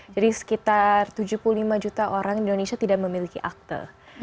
jadi sekitar tujuh puluh lima juta orang di indonesia tidak memiliki akta